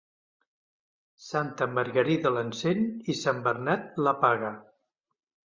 Santa Margarida l'encén i Sant Bernat l'apaga.